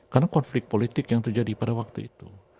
karena konflik politik yang terjadi pada waktu itu